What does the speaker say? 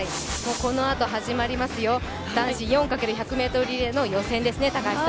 このあと始まりますよ、男子４×１００ｍリレーの予選ですね。